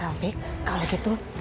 rafiq kalau gitu